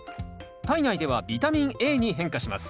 体内ではビタミンＡに変化します。